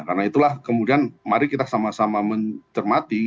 karena itulah kemudian mari kita sama sama mencermati